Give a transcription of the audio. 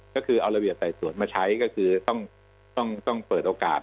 ก็คือเอาระเบียบไต่สวนมาใช้ก็คือต้องเปิดโอกาส